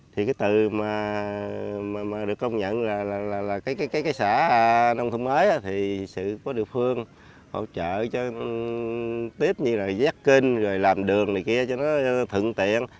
thì cái từ mà được công nhận là cái xã nông thông mới thì sự có địa phương hỗ trợ cho tiếp như là giác kinh rồi làm đường này kia cho nó thượng tiện